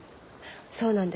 そうなんです。